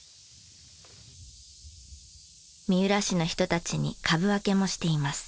三浦市の人たちに株分けもしています。